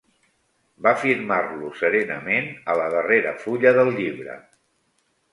Va firmar-lo serenament a la darrera fulla del llibre